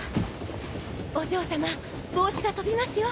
お嬢様帽子が飛びますよ。